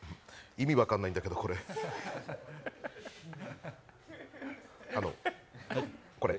意味分かんないんだけど、これ。